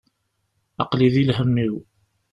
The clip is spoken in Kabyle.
Aql-i di lhemm-iw.